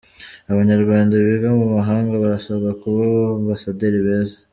Abanyarwanda biga mu mahanga barasabwa kuba aba ambasaderi beza